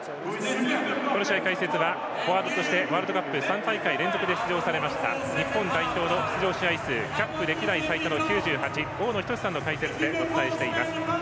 この試合、解説はフォワードとしてワールドカップ３大会連続で出場されました日本代表出場試合数キャップ歴代最多の９８大野均さんの解説でお伝えしています。